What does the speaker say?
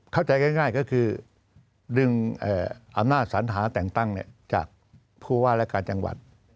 เข้าใจง่ายก็คือดึงอำนาจสัญหาแต่งตั้งจากผู้ว่าและการจังหวัด